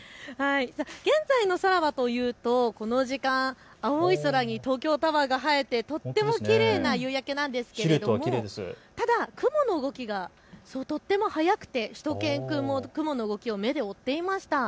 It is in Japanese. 現在の空はというとこの時間、青い空に東京タワーが映えてとてもきれいな夕焼けなんですがただ雲の動きがとてもはやくてしゅと犬くんも雲の動きを目で追っていました。